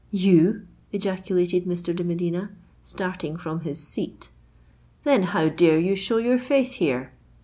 —"You!" ejaculated Mr. de Medina, starting from his seat. "Then how dare you show your face here?"